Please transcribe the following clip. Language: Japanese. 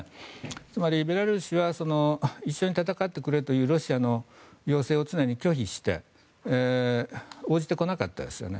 つまり、ベラルーシは一緒に戦ってくれというロシアの要請を常に拒否して応じてこなかったですよね。